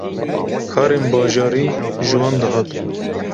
karên bajarî ji wan dihat.